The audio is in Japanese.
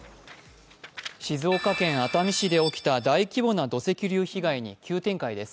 静岡県熱海市で起きた大規模な土石流被害に新展開です。